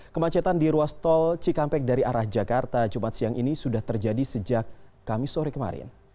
kemacetan di ruas tol cikampek dari arah jakarta jumat siang ini sudah terjadi sejak kami sore kemarin